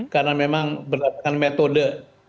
karena memang berdasarkan metode